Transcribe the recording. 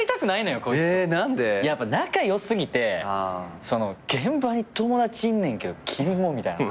やっぱ仲良過ぎてその現場に友達いんねんけどキモッみたいな。